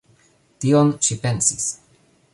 Tion ŝi pensis!